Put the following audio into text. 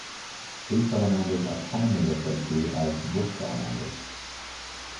These salamanders are commonly referred to as brook salamanders.